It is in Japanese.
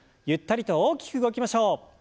ゆったりと大きく動きましょう。